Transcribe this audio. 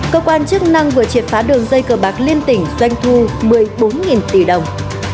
cơ quan chức năng vừa triệt phá đường dây cờ bạc liên tỉnh doanh thu một mươi bốn tỷ đồng